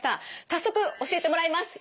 早速教えてもらいます。